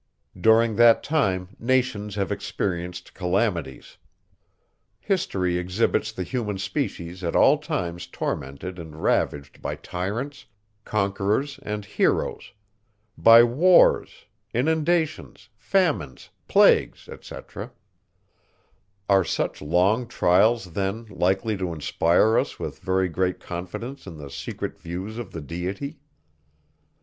During that time, nations have experienced calamities. History exhibits the human species at all times tormented and ravaged by tyrants, conquerors, and heroes; by wars, inundations, famines, plagues, etc. Are such long trials then likely to inspire us with very great confidence in the secret views of the Deity?